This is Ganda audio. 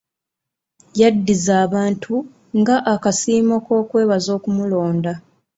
Yaddiza abantu nga akasiimo kw'okwebaza okumulonda.